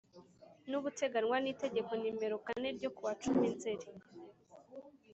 n ubuteganywa n itegeko Nimero kane ryo ku wa cumi nzeri